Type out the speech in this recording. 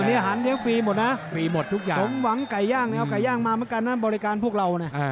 วันนี้อาหารเตรียมฟรีหมดนะครับสมหวังไก่ย่างเอาไก่ย่างมาแล้วบริการพวกเรามั้ย